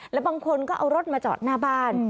แล้วบางคนก็เอารถมาจอดหน้าบ้าน